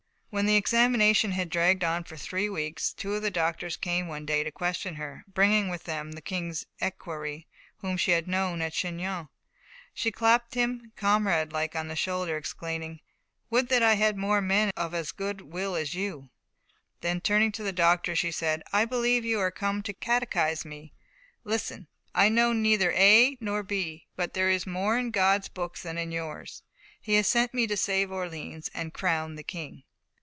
When the examination had dragged on for three weeks, two of the doctors came one day to question her, bringing with them the King's equerry, whom she had known at Chinon. She clapped him, comrade like, on the shoulder, exclaiming: "Would that I had many more men of as good will as you!" Then turning to the doctors, she said, "I believe you are come to catechise me. Listen! I know neither A nor B, but there is more in God's books than in yours. He has sent me to save Orleans and crown the King."